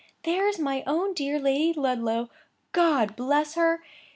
there's my own dear Lady Ludlow, God bless her!